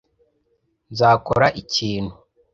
Nzakora ikintu